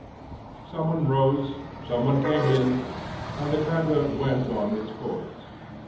Some one rose, some one came in, and the clatter went on its course.